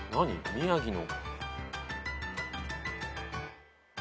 宮城の。